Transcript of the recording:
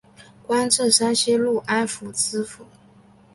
官至山西潞安府知府。